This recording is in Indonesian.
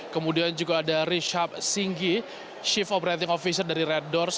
kemudian juga ada rishabh singhi chief operating officer dari red doors